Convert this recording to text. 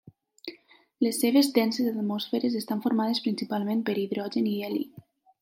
Les seves denses atmosferes estan formades principalment per hidrogen i heli.